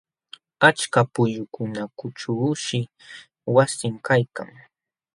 Achka pukyukunaćhuushi wasin kaykan.